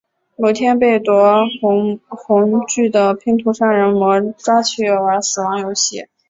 某天被夺魂锯的拼图杀人魔抓去玩死亡游戏。